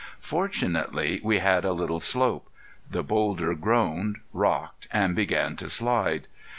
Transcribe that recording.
Fortunately we had a little slope; the boulder groaned, rocked and began to slide.